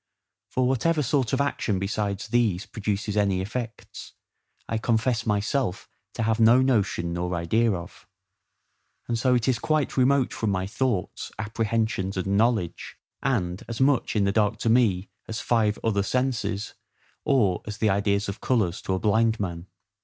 For whatever sort of action besides these produces any effects, I confess myself to have no notion nor idea of; and so it is quite remote from my thoughts, apprehensions, and knowledge; and as much in the dark to me as five other senses, or as the ideas of colours to a blind man.